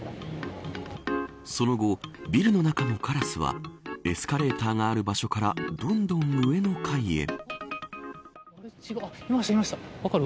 その後、ビルの中のカラスはエスカレーターがある場所からどんどん上の階へ。